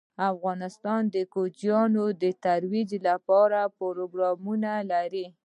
افغانستان د کوچیان د ترویج لپاره پروګرامونه لري.